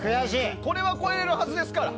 これは越えられるはずですから。